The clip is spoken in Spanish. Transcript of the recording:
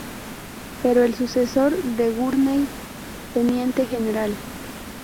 Pero el sucesor de Gurney, teniente gral.